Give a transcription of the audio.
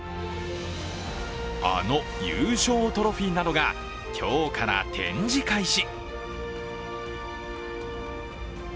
あの優勝トロフィーなどが今日から展示開始。